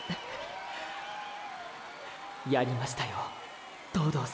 やりましたよ東堂さん。